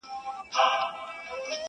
وفا سمندر ځانګړی ليکوال دئ,